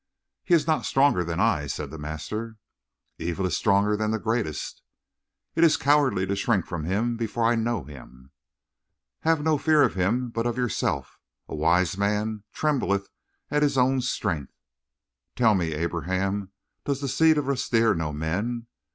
"He is not stronger than I," said the master. "Evil is stronger than the greatest." "It is cowardly to shrink from him before I know him." "Have no fear of him but of yourself. A wise man trembleth at his own strength." "Tell me, Abraham does the seed of Rustir know men?